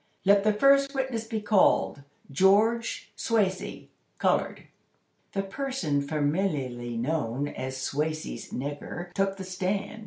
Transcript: "Let the first witness be called, George Swasey, colored." The person familiarly known as "Swasey's nigger" took the stand.